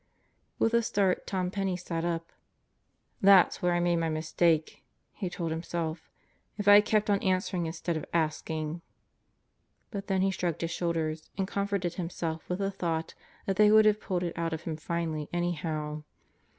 With a start Tom Penney sat up. "There's where I made my mistake," he told himself. "If I had kept on answering instead of asking. ..." But then he shrugged his shoulders and com forted himself with the thought that they would have pulled it out of him finally anyhow.